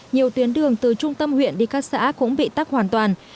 nhiều tuyến đường từ trung tâm huyện đi các xã cũng bị tắc hoàn toàn